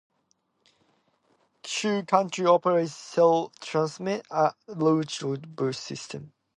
Cecil County operates Cecil Transit, a multi-route bus system.